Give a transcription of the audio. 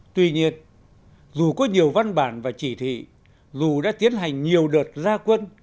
tuy nhiên dù có nhiều văn bản và chỉ thị dù đã tiến hành nhiều đợt gia quân